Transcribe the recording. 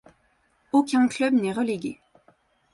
Aucun club n’est relégué.